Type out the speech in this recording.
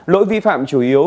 lỗi vi phạm chủ yếu